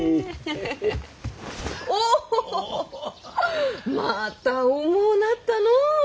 おぉまた重うなったのぅ。